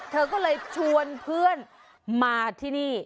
เธอก็เลยชวนเพื่อนมาที่นี่